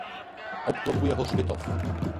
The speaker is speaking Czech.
Obklopuje ho hřbitov.